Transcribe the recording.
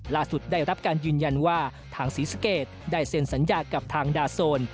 ได้รับการยืนยันว่าทางศรีสะเกดได้เซ็นสัญญากับทางดาโซน